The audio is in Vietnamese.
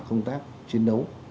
công tác chiến đấu